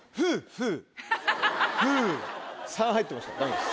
３入ってましたダメです。